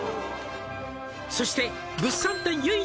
「そして物産展唯一の」